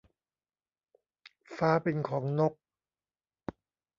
ฟ้าเป็นของนก